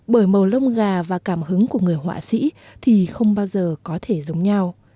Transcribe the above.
bởi màu lông gà và cảm hứng của người họa sĩ thì không bao giờ có thể giống nhau